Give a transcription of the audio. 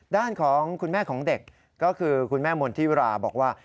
ด้านของคุณแม่ของเด็กก็คือคุณแม่มณฑิราบอกว่า